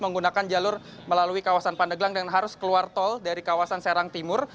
menggunakan jalur melalui kawasan pandeglang dan harus keluar tol dari kawasan serang timur